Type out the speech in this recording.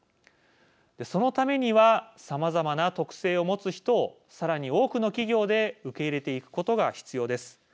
そのためにはさまざまな特性を持つ人をさらに多くの企業で受け入れていくことが必要です。